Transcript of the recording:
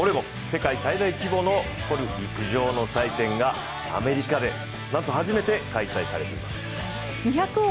世界最大規模を誇る陸上の祭典がアメリカでなんと初めて開催されています。